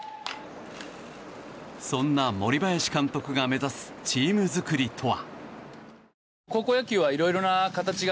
そんな森林監督が目指すチーム作りとは？